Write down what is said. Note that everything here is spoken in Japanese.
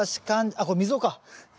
あっこれ溝か。